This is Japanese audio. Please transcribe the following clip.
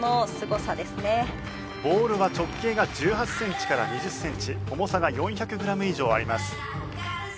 ボールが直径が１８センチから２０センチ重さが４００グラム以上あります。